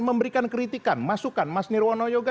memberikan kritikan masukan mas nirwono yoga